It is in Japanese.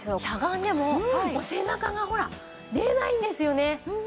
しゃがんでも背中がほら出ないんですよね。